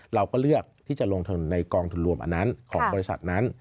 เราก็เลือกที่จะลงทุนในกองทุนรวมอันนั้นของบริษัทนั้น